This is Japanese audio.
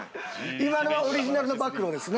今のはオリジナルの暴露ですね。